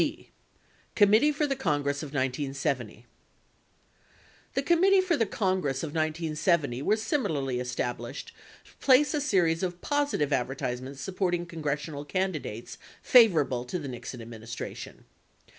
71 d. Committee for the Congress of 1970 The committee for the Congress of 1970 was similarly established to place a series of positive advertisements supporting congressional candidates favorable to the Nixon administration.